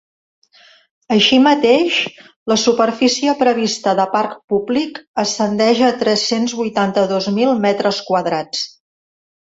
Així mateix, la superfície prevista de parc públic ascendeix a tres-cents vuitanta-dos mil metres quadrats.